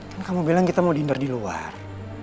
kan kamu bilang kita mau dindar di luar